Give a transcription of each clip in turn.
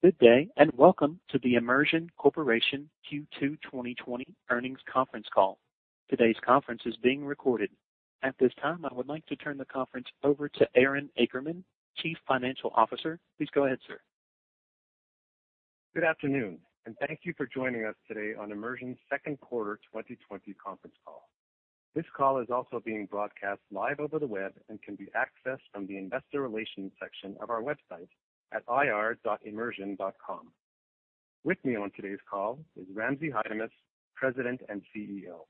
Good day, and welcome to the Immersion Corporation Q2 2020 Earnings Conference Call. Today's conference is being recorded. At this time, I would like to turn the conference over to Aaron Akerman, Chief Financial Officer. Please go ahead, sir. Good afternoon, and thank you for joining us today on Immersion's Second Quarter 2020 Conference Call. This call is also being broadcast live over the web and can be accessed from the investor relations section of our website at ir.immersion.com. With me today on the call is Ramzi Haidamus, President and CEO.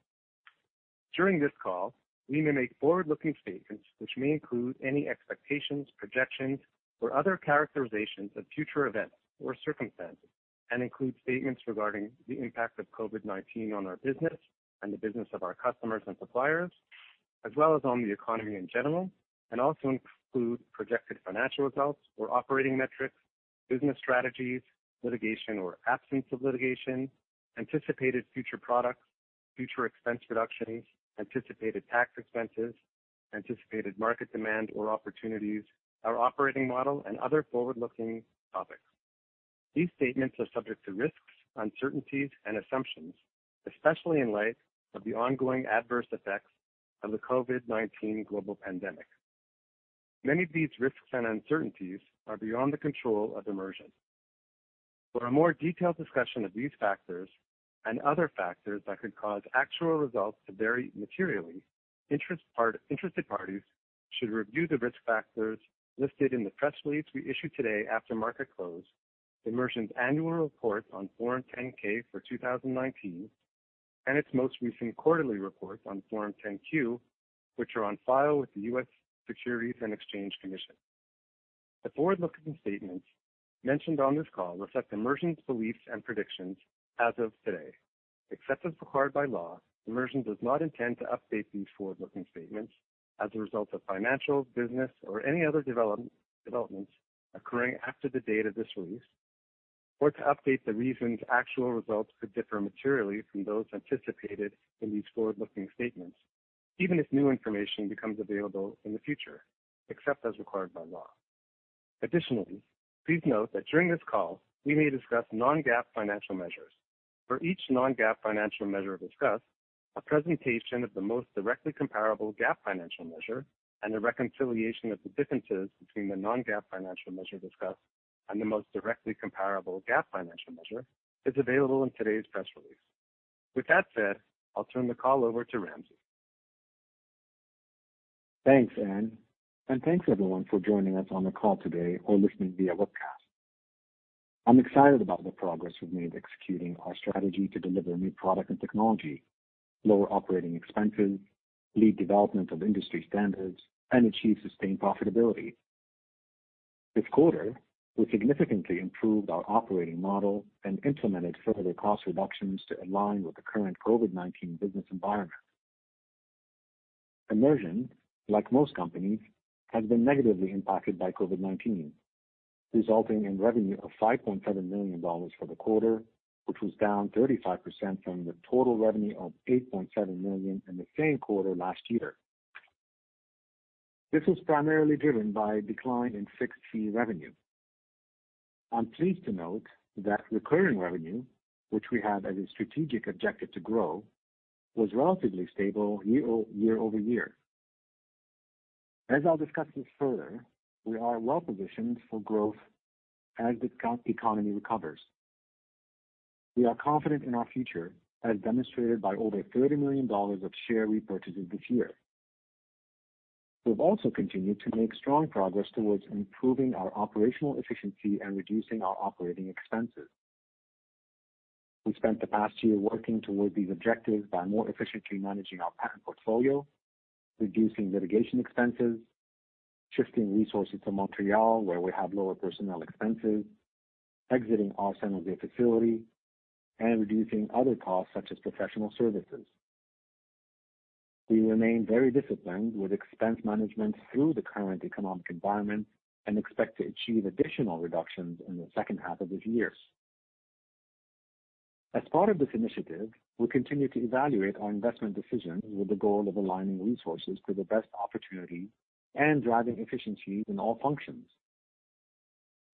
During this call, we may make forward-looking statements, which may include any expectations, projections, or other characterizations of future events or circumstances and include statements regarding the impact of COVID-19 on our business and the business of our customers and suppliers, as well as on the economy in general, and also include projected financial results or operating metrics, business strategies, litigation or absence of litigation, anticipated future products, future expense reductions, anticipated tax expenses, anticipated market demand or opportunities, our operating model, and other forward-looking topics. These statements are subject to risks, uncertainties, and assumptions, especially in light of the ongoing adverse effects of the COVID-19 global pandemic. Many of these risks and uncertainties are beyond the control of Immersion. For a more detailed discussion of these factors and other factors that could cause actual results to vary materially, interested parties should review the risk factors listed in the press release we issue today after market close, Immersion's annual report on Form 10-K for 2019, and its most recent quarterly report on Form 10-Q, which are on file with the US Securities and Exchange Commission. The forward-looking statements mentioned on this call reflect Immersion's beliefs and predictions as of today. Except as required by law, Immersion does not intend to update these forward-looking statements as a result of financial, business, or any other developments occurring after the date of this release, or to update the reasons actual results could differ materially from those anticipated in these forward-looking statements, even if new information becomes available in the future, except as required by law. Additionally, please note that during this call, we may discuss non-GAAP financial measures. For each non-GAAP financial measure discussed, a presentation of the most directly comparable GAAP financial measure and the reconciliation of the differences between the non-GAAP financial measure discussed and the most directly comparable GAAP financial measure is available in today's press release. With that said, I'll turn the call over to Ramzi. Thanks, Aaron, and thanks everyone for joining us on the call today or listening via webcast. I'm excited about the progress we've made executing our strategy to deliver new products and technology, lower operating expenses, lead development of industry standards, and achieve sustained profitability. This quarter, we significantly improved our operating model and implemented further cost reductions to align with the current COVID-19 business environment. Immersion, like most companies, has been negatively impacted by COVID-19, resulting in revenue of $5.7 million for the quarter, which was down 35% from the total revenue of $8.7 million in the same quarter last year. This was primarily driven by a decline in fixed-fee revenue. I'm pleased to note that recurring revenue, which we have as a strategic objective to grow, was relatively stable year-over-year. As I'll discuss this further, we are well-positioned for growth as the economy recovers. We are confident in our future, as demonstrated by over $30 million of share repurchases this year. We've also continued to make strong progress towards improving our operational efficiency and reducing our operating expenses. We spent the past year working toward these objectives by more efficiently managing our patent portfolio, reducing litigation expenses, shifting resources to Montreal, where we have lower personnel expenses, exiting our San Jose facility, and reducing other costs such as professional services. We remain very disciplined with expense management through the current economic environment and expect to achieve additional reductions in the second half of this year. As part of this initiative, we continue to evaluate our investment decisions with the goal of aligning resources to the best opportunities and driving efficiencies in all functions.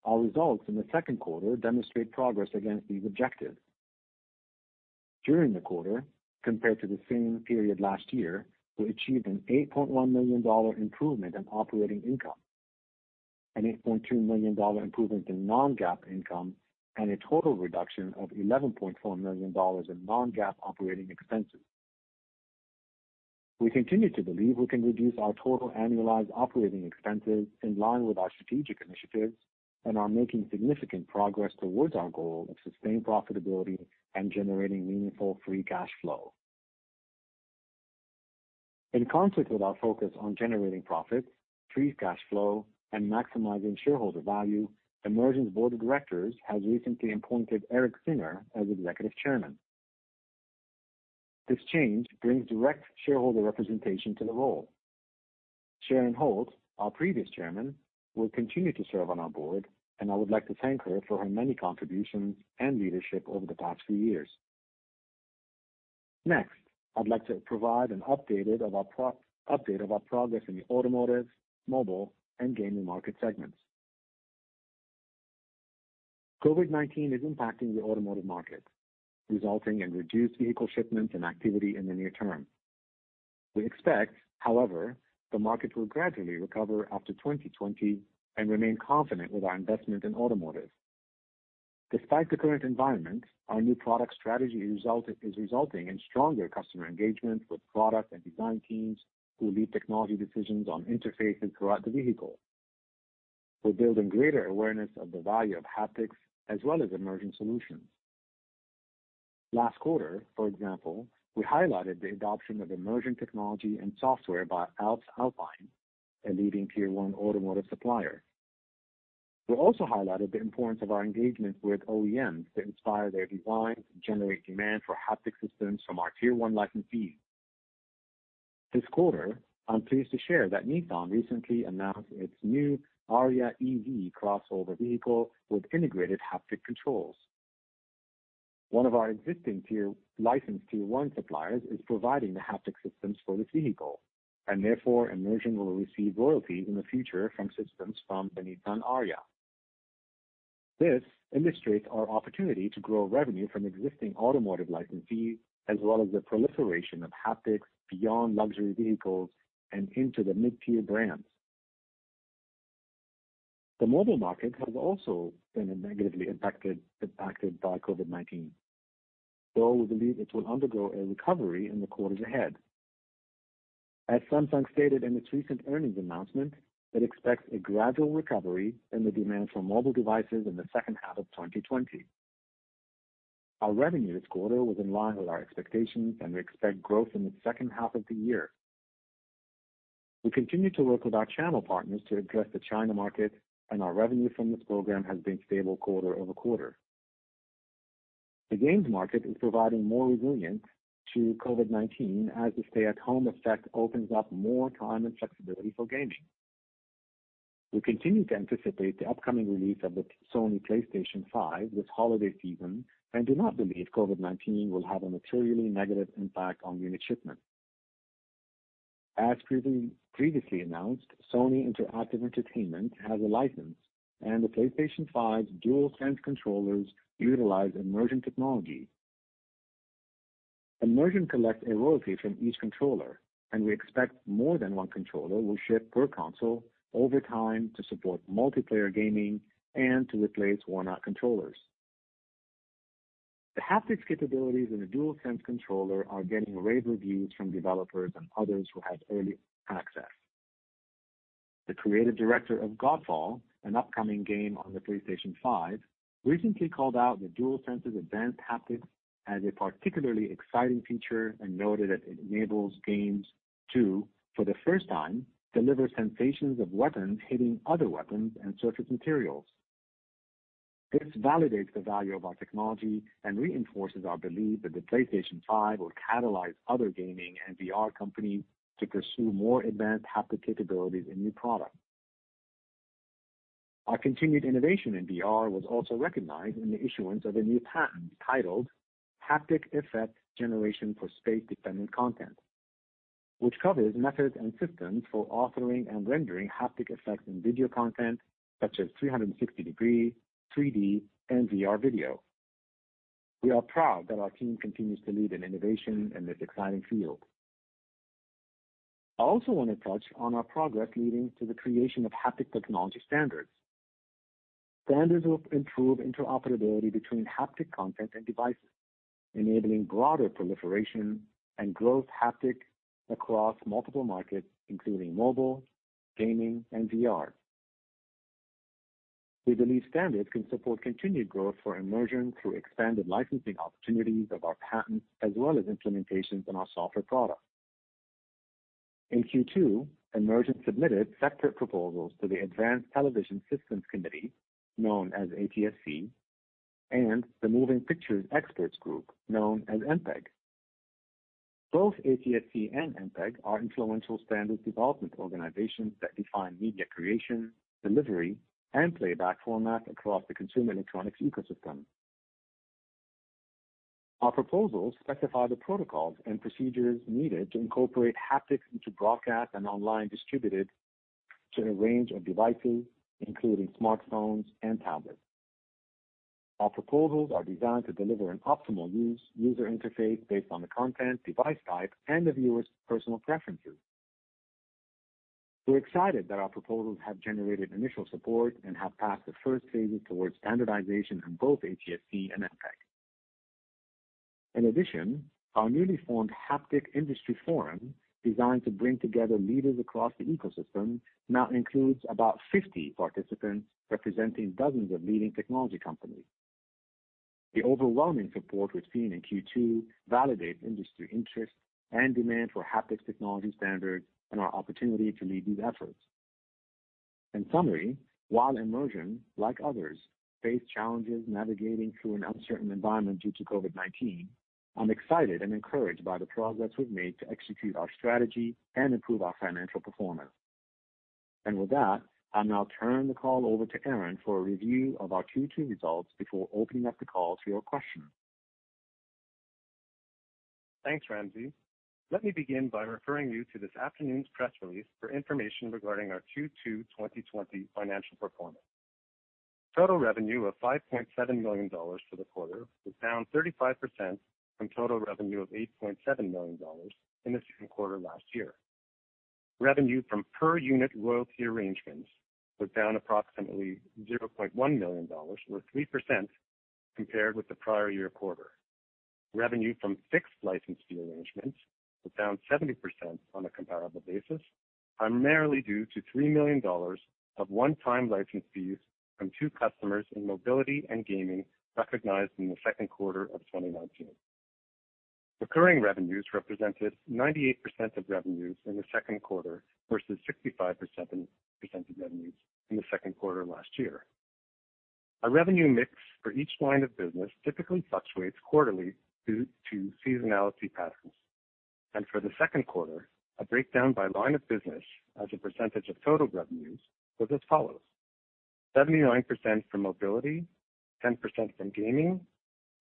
Our results in the second quarter demonstrate progress against these objectives. During the quarter, compared to the same period last year, we achieved an $8.1 million improvement in operating income, an $8.2 million improvement in non-GAAP income, and a total reduction of $11.4 million in non-GAAP operating expenses. We continue to believe we can reduce our total annualized operating expenses in line with our strategic initiatives and are making significant progress towards our goal of sustained profitability and generating meaningful free cash flow. In concert with our focus on generating profits, free cash flow, and maximizing shareholder value, Immersion's board of directors has recently appointed Eric Singer as Executive Chairman. This change brings direct shareholder representation to the role. Sharon Holt, our previous Chairman, will continue to serve on our board, and I would like to thank her for her many contributions and leadership over the past few years. I'd like to provide an update of our progress in the automotive, mobile, and gaming market segments. COVID-19 is impacting the automotive market, resulting in reduced vehicle shipments and activity in the near term. We expect, however, the market will gradually recover after 2020 and remain confident with our investment in automotive. Despite the current environment, our new product strategy is resulting in stronger customer engagement with product and design teams who lead technology decisions on interfaces throughout the vehicle. We're building greater awareness of the value of haptics as well as Immersion solutions. Last quarter, for example, we highlighted the adoption of Immersion technology and software by Alps Alpine, a leading Tier 1 automotive supplier. We also highlighted the importance of our engagement with OEMs to inspire their designs and generate demand for haptic systems from our Tier 1 licensees. This quarter, I'm pleased to share that Nissan recently announced its new ARIYA EV crossover vehicle with integrated haptic controls. One of our existing licensed Tier 1 suppliers is providing the haptic systems for this vehicle, and therefore, Immersion will receive royalties in the future from systems from the Nissan ARIYA. This illustrates our opportunity to grow revenue from existing automotive licensees, as well as the proliferation of haptics beyond luxury vehicles and into the mid-tier brands. The mobile market has also been negatively impacted by COVID-19, though we believe it will undergo a recovery in the quarters ahead. As Samsung stated in its recent earnings announcement, it expects a gradual recovery in the demand for mobile devices in the second half of 2020. Our revenue this quarter was in line with our expectations, and we expect growth in the second half of the year. We continue to work with our channel partners to address the China market, and our revenue from this program has been stable quarter-over-quarter. The games market is providing more resilience to COVID-19 as the stay-at-home effect opens up more time and flexibility for gaming. We continue to anticipate the upcoming release of the Sony PlayStation 5 this holiday season and do not believe COVID-19 will have a materially negative impact on unit shipments. As previously announced, Sony Interactive Entertainment has a license, and the PlayStation 5's DualSense controllers utilize Immersion technology. Immersion collects a royalty from each controller, and we expect more than one controller will ship per console over time to support multiplayer gaming and to replace worn-out controllers. The haptics capabilities in the DualSense controller are getting rave reviews from developers and others who have early access. The creative director of Godfall, an upcoming game on the PlayStation 5, recently called out the DualSense's advanced haptics as a particularly exciting feature and noted that it enables games to, for the first time, deliver sensations of weapons hitting other weapons and surface materials. This validates the value of our technology and reinforces our belief that the PlayStation 5 will catalyze other gaming and VR companies to pursue more advanced haptic capabilities in new products. Our continued innovation in VR was also recognized in the issuance of a new patent titled Haptic Effect Generation for Space-Dependent Content, which covers methods and systems for authoring and rendering haptic effects in video content such as 360 degree, 3D, and VR video. We are proud that our team continues to lead in innovation in this exciting field. I also want to touch on our progress leading to the creation of haptic technology standards. Standards will improve interoperability between haptic content and devices, enabling broader proliferation and growth of haptics across multiple markets, including mobile, gaming, and VR. We believe standards can support continued growth for Immersion through expanded licensing opportunities of our patents as well as implementations in our software products. In Q2, Immersion submitted separate proposals to the Advanced Television Systems Committee, known as ATSC, and the Moving Picture Experts Group, known as MPEG. Both ATSC and MPEG are influential standards development organizations that define media creation, delivery, and playback formats across the consumer electronics ecosystem. Our proposals specify the protocols and procedures needed to incorporate haptics into broadcasts and online content distributed to a range of devices, including smartphones and tablets. Our proposals are designed to deliver an optimal user interface based on the content, device type, and the viewer's personal preferences. We're excited that our proposals have generated initial support and have passed the first phases towards standardization in both ATSC and MPEG. In addition, our newly formed Haptics Industry Forum, designed to bring together leaders across the ecosystem, now includes about 50 participants representing dozens of leading technology companies. The overwhelming support we've seen in Q2 validates industry interest and demand for haptics technology standards and our opportunity to lead these efforts. In summary, while Immersion, like others, faces challenges navigating through an uncertain environment due to COVID-19, I'm excited and encouraged by the progress we've made to execute our strategy and improve our financial performance. With that, I'll now turn the call over to Aaron for a review of our Q2 results before opening up the call to your questions. Thanks, Ramzi. Let me begin by referring you to this afternoon's press release for information regarding our Q2 2020 financial performance. Total revenue of $5.7 million for the quarter was down 35% from total revenue of $8.7 million in the second quarter last year. Revenue from per-unit royalty arrangements was down approximately $0.1 million, or 3%, compared with the prior-year quarter. Revenue from fixed license fee arrangements was down 70% on a comparable basis, primarily due to $3 million of one-time license fees from two customers in mobility and gaming recognized in the second quarter of 2019. Recurring revenues represented 98% of revenues in the second quarter versus 65% of revenues in the second quarter last year. Our revenue mix for each line of business typically fluctuates quarterly due to seasonality patterns. For the second quarter, a breakdown by line of business as a percentage of total revenues was as follows: 79% from mobility, 10% from gaming,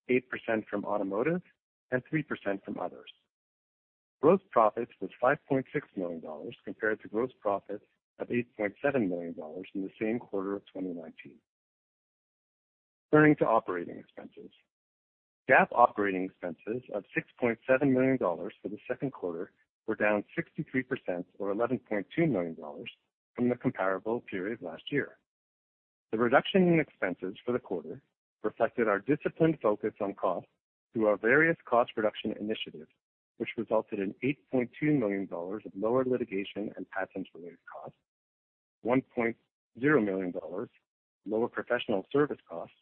8% from automotive, and 3% from others. Gross profit was $5.6 million, compared to gross profit of $8.7 million in the same quarter of 2019. Turning to operating expenses. GAAP operating expenses of $6.7 million for the second quarter were down 63%, or $11.2 million, from the comparable period last year. The reduction in expenses for the quarter reflected our disciplined focus on costs through our various cost reduction initiatives, which resulted in $8.2 million less in litigation and patents-related costs, $1.0 million less in professional service costs,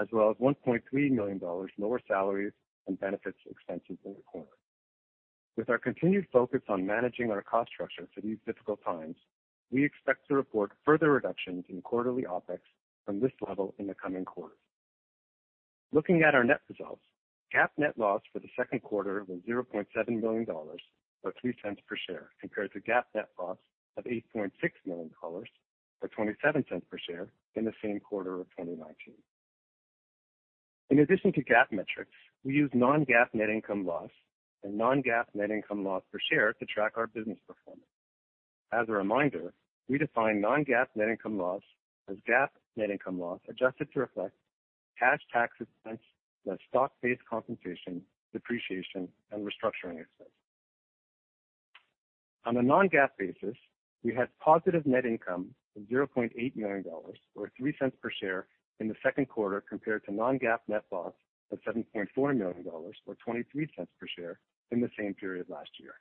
as well as $1.3 million less in salaries and benefits expenses in the quarter. With our continued focus on managing our cost structure through these difficult times, we expect to report further reductions in quarterly OpEx from this level in the coming quarters. Looking at our net results, GAAP net loss for the second quarter was $0.7 million, or $0.03 per share, compared to GAAP net loss of $8.6 million, or $0.27 per share in the same quarter of 2019. In addition to GAAP metrics, we use non-GAAP net income loss and non-GAAP net income loss per share to track our business performance. As a reminder, we define non-GAAP net income loss as GAAP net income loss, adjusted to reflect cash tax expense, net stock-based compensation, depreciation, and restructuring expenses. On a non-GAAP basis, we had positive net income of $0.8 million, or $0.03 per share, in the second quarter, compared to a non-GAAP net loss of $7.4 million, or $0.23 per share, in the same period last year.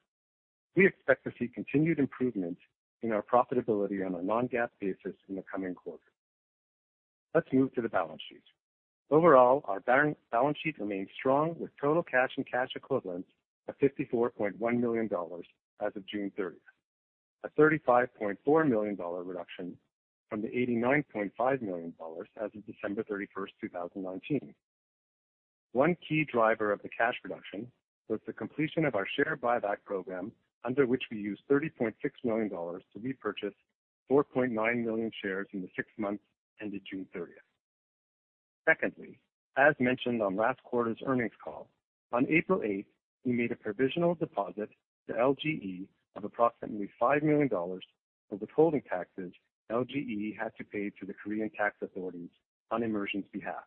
We expect to see continued improvement in our profitability on a non-GAAP basis in the coming quarters. Let's move to the balance sheet. Overall, our balance sheet remains strong with total cash and cash equivalents of $54.1 million as of June 30th, a $35.4 million reduction from the $89.5 million as of December 31st, 2019. One key driver of the cash reduction was the completion of our share buyback program, under which we used $30.6 million to repurchase 4.9 million shares in the six months ended June 30th. Secondly, as mentioned on last quarter's earnings call, on April 8th, we made a provisional deposit to LGE of approximately $5 million for the withholding taxes LGE had to pay to the Korean tax authorities on Immersion's behalf.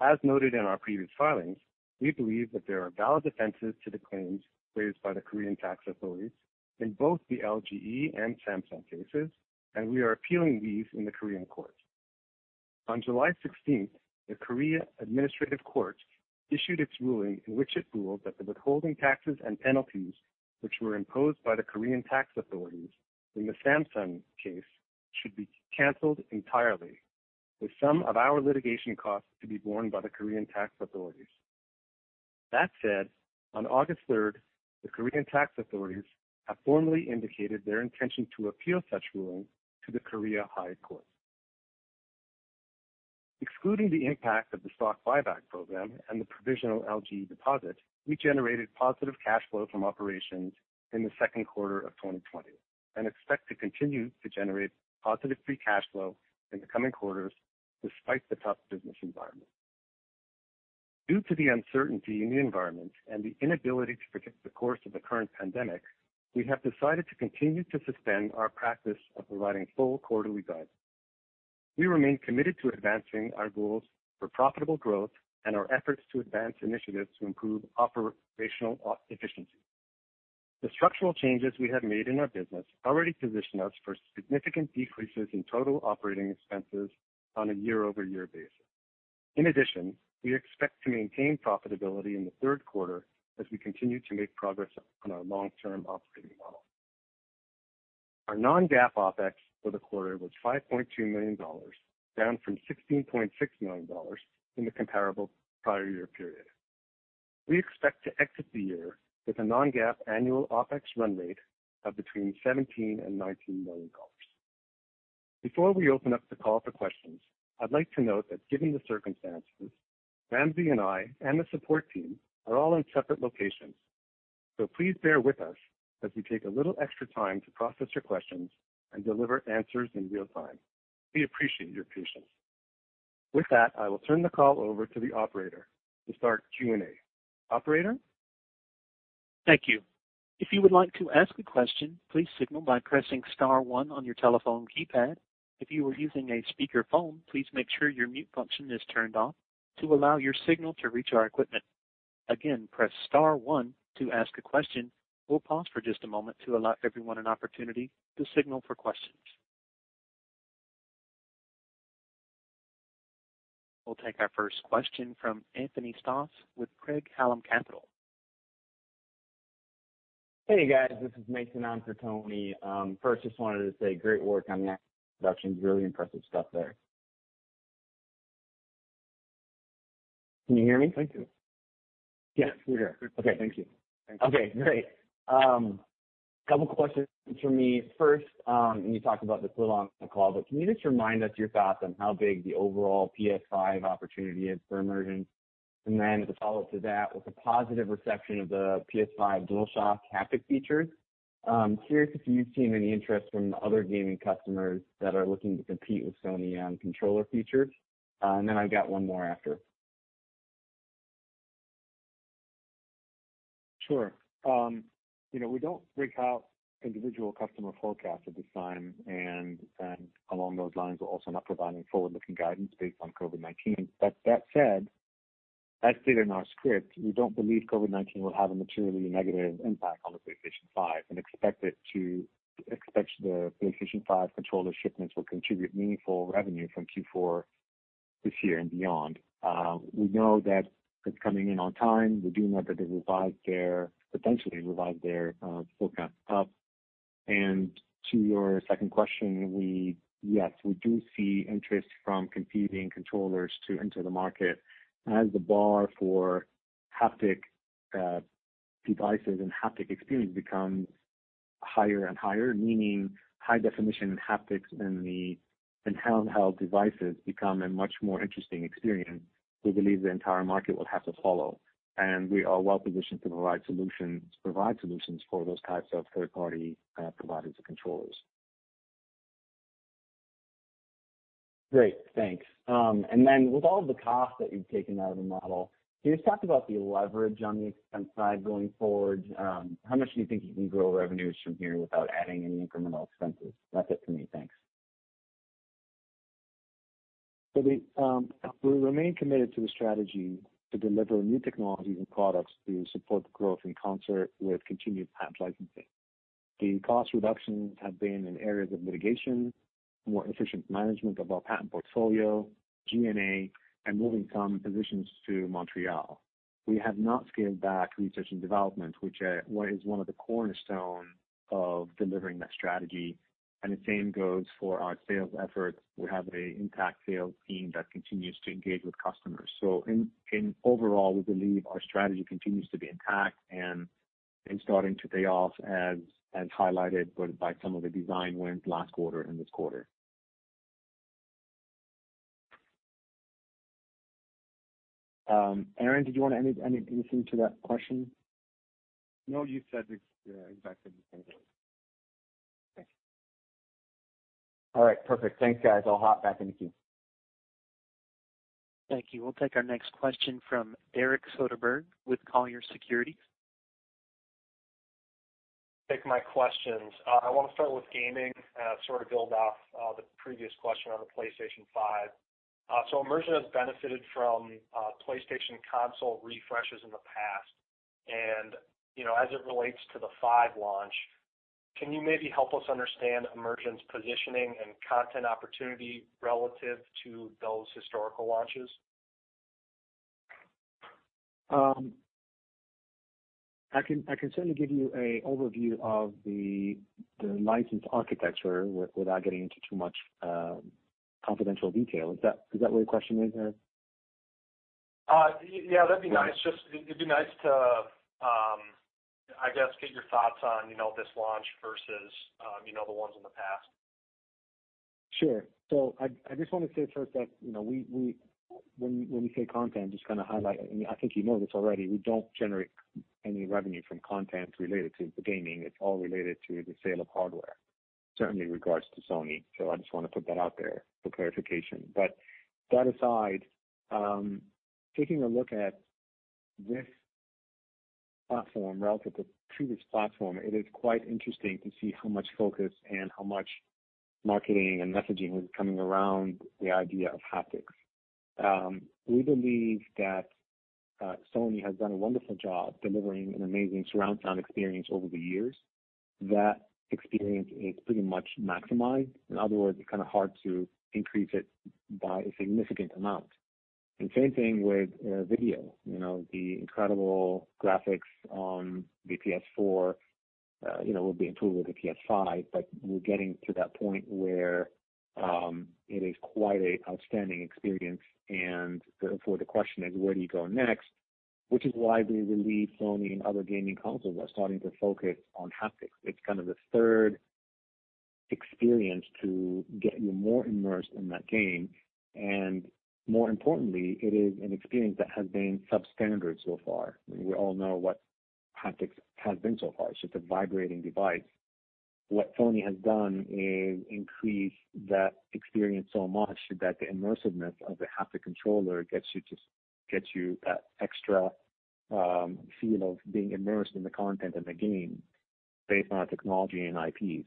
As noted in our previous filings, we believe that there are valid defenses to the claims raised by the Korean tax authorities in both the LGE and Samsung cases, and we are appealing these in the Korean court. On July 16th, the Korea Administrative Court issued its ruling in which it ruled that the withholding taxes and penalties that were imposed by the Korean tax authorities in the Samsung case should be canceled entirely, with some of our litigation costs to be borne by the Korean Tax Authorities. That said, on August 3rd, the Korean Tax Authorities have formally indicated their intention to appeal such a ruling to the Korea High Court. Excluding the impact of the stock buyback program and the provisional LGE deposit, we generated positive cash flow from operations in the second quarter of 2020 and expect to continue to generate positive free cash flow in the coming quarters despite the tough business environment. Due to the uncertainty in the environment and the inability to predict the course of the current pandemic, we have decided to continue to suspend our practice of providing full quarterly guidance. We remain committed to advancing our goals for profitable growth and our efforts to advance initiatives to improve operational efficiency. The structural changes we have made in our business already position us for significant decreases in total operating expenses on a year-over-year basis. In addition, we expect to maintain profitability in the third quarter as we continue to make progress on our long-term operating model. Our non-GAAP OpEx for the quarter was $5.2 million, down from $16.6 million in the comparable prior year period. We expect to exit the year with a non-GAAP annual OpEx run rate of between $17 million and $19 million. Before we open up the call for questions, I'd like to note that given the circumstances, Ramzi and I, and the support team, are all in separate locations. So please bear with us as we take a little extra time to process your questions and deliver answers in real time. We appreciate your patience. With that, I will turn the call over to the operator to start Q&A. Operator? Thank you. If you would like to ask a question, please signal by pressing star one on your telephone keypad. If you are using a speakerphone, please make sure your mute function is turned off to allow your signal to reach our equipment. Again, press star one to ask a question. We'll pause for just a moment to allow everyone an opportunity to signal for questions. We'll take our first question from Anthony Stoss with Craig-Hallum Capital. Hey, guys. This is Mason on for Tony. First, I just wanted to say great work on the introduction. Really impressive stuff there. Can you hear me? Thank you. Yes, we hear. Good. Okay. Thank you. Okay, great. Couple questions from me. First, you talked about this a little on the call, but can you just remind us of your thoughts on how big the overall PS5 opportunity is for Immersion? As a follow-up to that, with the positive reception of the PS5 DualSense haptic features, I'm curious if you've seen any interest from other gaming customers that are looking to compete with Sony on controller features? I've got one more after. Sure. We don't break out individual customer forecasts at this time, and along those lines, we're also not providing forward-looking guidance based on COVID-19. That said, as stated in our script, we don't believe COVID-19 will have a materially negative impact on the PS5 and expect the PlayStation 5 controller shipments will contribute meaningful revenue from Q4 this year and beyond. We know that it's coming in on time. We do know that they potentially revised their forecast up. To your second question, yes, we do see interest from competing controllers to enter the market as the bar for haptic devices and haptic experience becomes higher and higher, meaning high-definition haptics in handheld devices become a much more interesting experience. We believe the entire market will have to follow, and we are well positioned to provide solutions for those types of third-party providers of controllers. Great, thanks. With all the cost that you've taken out of the model, can you just talk about the leverage on the expense side going forward? How much do you think you can grow revenues from here without adding any incremental expenses? That's it for me. Thanks. We remain committed to the strategy to deliver new technologies and products to support the growth in concert with continued patent licensing. The cost reductions have been in areas of litigation, more efficient management of our patent portfolio, G&A, and moving some positions to Montreal. We have not scaled back research and development, which is one of the cornerstones of delivering that strategy, and the same goes for our sales efforts. We have an intact sales team that continues to engage with customers. Overall, we believe our strategy continues to be intact and starting to pay off, as highlighted by some of the design wins last quarter and this quarter. Aaron, did you want to add anything to that question? No, you said exactly the same thing. Thanks. All right, perfect. Thanks, guys. I'll hop back in the queue. Thank you. We'll take our next question from Derek Soderberg with Colliers Securities. Take my questions. I want to start with gaming, sort of build off the previous question on the PlayStation 5. Immersion has benefited from PlayStation console refreshes in the past. As it relates to the PlayStation 5 launch, can you maybe help us understand Immersion's positioning and content opportunity relative to those historical launches? I can certainly give you an overview of the licensed architecture without getting into too much confidential detail. Is that where your question is, Derek? Yeah, that'd be nice. Just, it'd be nice to, I guess, get your thoughts on this launch versus the ones in the past. I just want to say first that when we say content, just kind of highlight, I think you know this already, we don't generate any revenue from content related to gaming. It's all related to the sale of hardware, certainly in regards to Sony. I just want to put that out there for clarification. That aside, taking a look at this platform relative to the previous platform, it is quite interesting to see how much focus and how much marketing and messaging were coming around the idea of haptics. We believe that Sony has done a wonderful job delivering an amazing surround sound experience over the years. That experience is pretty much maximized. In other words, it's kind of hard to increase it by a significant amount. Same thing with video. The incredible graphics on the PS4 will be improved with the PS5, but we're getting to that point where it is quite an outstanding experience. For the question is, where do you go next? Which is why we believe Sony and other gaming consoles are starting to focus on haptics. It's kind of the third experience to get you more immersed in that game, and more importantly, it is an experience that has been substandard so far. We all know what haptics has been so far. It's just a vibrating device. What Sony has done is increase that experience so much that the immersiveness of the haptic controller gets you that extra feel of being immersed in the content of the game based on our technology and IP.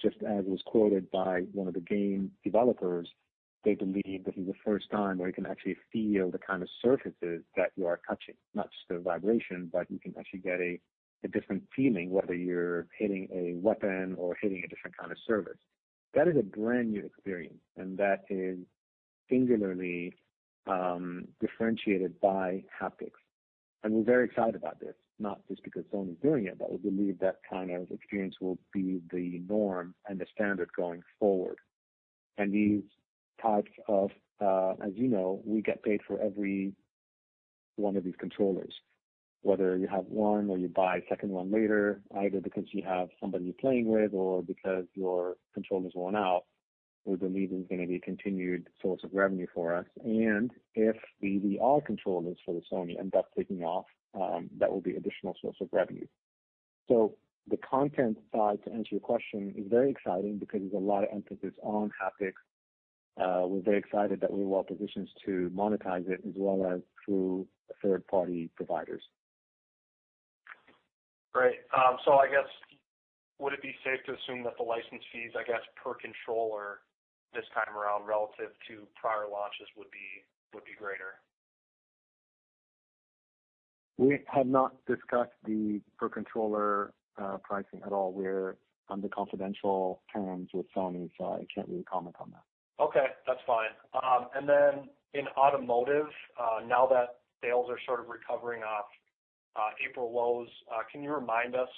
Just as was quoted by one of the game developers, they believe this is the first time where you can actually feel the kind of surfaces that you are touching, not just the vibration, but you can actually get a different feeling whether you're hitting a weapon or hitting a different kind of surface. That is a brand new experience, and that is singularly differentiated by haptics. We're very excited about this, not just because Sony's doing it, but we believe that kind of experience will be the norm and the standard going forward. As you know, we get paid for every one of these controllers, whether you have one or you buy a second one later, either because you have somebody you're playing with or because your controller's worn out. We believe it's going to be a continued source of revenue for us. If the VR controllers for the Sony end up taking off, that will be an additional source of revenue. The content side, to answer your question, is very exciting because there's a lot of emphasis on haptics. We're very excited that we're well-positioned to monetize it as well as through third-party providers. Great. I guess would it be safe to assume that the license fees, I guess, per controller this time around relative to prior launches would be greater? We have not discussed the per-controller pricing at all. We're under confidential terms with Sony, so I can't really comment on that. Okay, that's fine. In automotive, now that sales are sort of recovering from April lows, can you remind us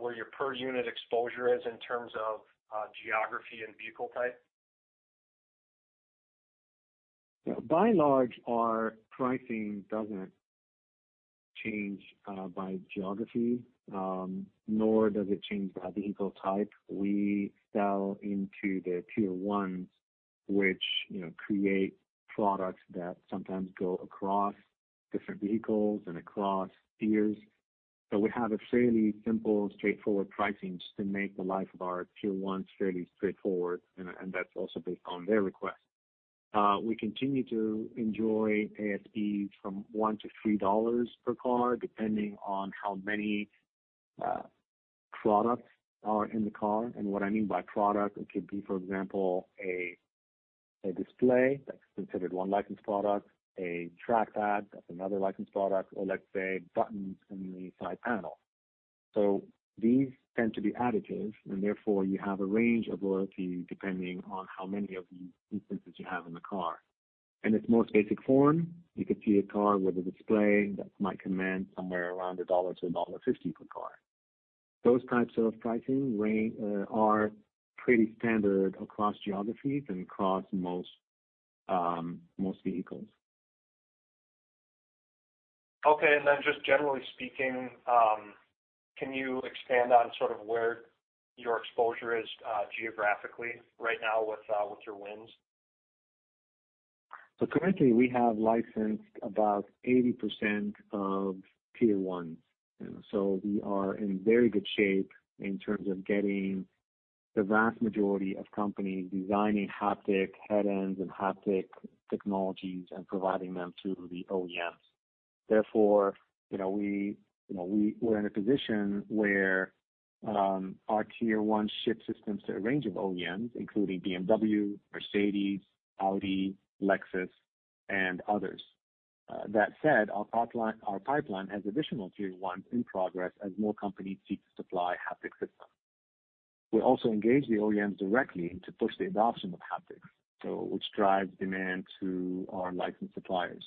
where your per-unit exposure is in terms of geography and vehicle type? By and large, our pricing doesn't change by geography, nor does it change by vehicle type. We sell into the Tier 1s, which create products that sometimes go across different vehicles and across tiers. We have fairly simple, straightforward pricing just to make the life of our Tier 1s fairly straightforward, and that's also based on their request. We continue to enjoy ASPs from $1-$3 per car, depending on how many products are in the car. What I mean by product, it could be, for example, a display. That's considered one licensed product. A trackpad is another licensed product, or let's say buttons on the side panel. These tend to be additive, and therefore you have a range of royalties depending on how many of these instances you have in the car. In its most basic form, you could see a car with a display that might command somewhere around $1-$1.50 per car. Those types of pricing are pretty standard across geographies and across most vehicles. Okay. Just generally speaking, can you expand on sort of where your exposure is geographically right now with your wins? Currently, we have licensed about 80% of Tier 1. We are in very good shape in terms of getting the vast majority of companies designing haptic head ends and haptic technologies and providing them to the OEMs. We're in a position where our Tier 1 ship systems to a range of OEMs, including BMW, Mercedes, Audi, Lexus, and others. That said, our pipeline has additional Tier 1s in progress as more companies seek to supply haptic systems. We also engage the OEMs directly to push the adoption of haptics, which drives demand to our licensed suppliers.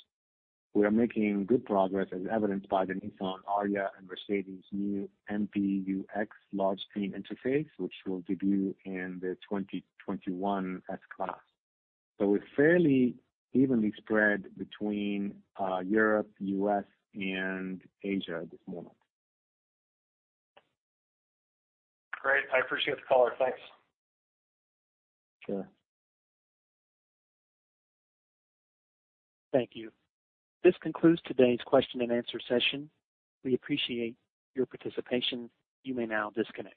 We are making good progress, as evidenced by the Nissan ARIYA and Mercedes' new MBUX large-screen interface, which will debut in the 2021 S-Class. We're fairly evenly spread between Europe, the U.S., and Asia at this moment. Great. I appreciate the color. Thanks. Sure. Thank you. This concludes today's question-and-answer session. We appreciate your participation. You may now disconnect.